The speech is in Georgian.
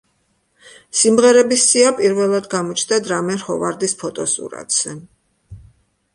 სიმღერების სია პირველად გამოჩნდა დრამერ ჰოვარდის ფოტოსურათზე.